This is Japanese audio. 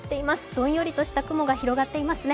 どんよりとした雲が広がっていますね。